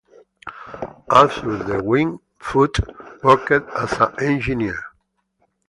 Arthur De Wint Foote worked as an engineer.